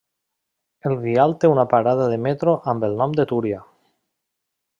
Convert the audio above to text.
El vial té una parada de metro amb el nom de Túria.